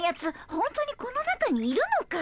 ほんとにこの中にいるのかい？